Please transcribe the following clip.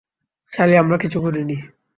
সালি, আমরা কিছু করিনি।